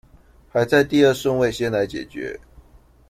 排在第二順位先來解決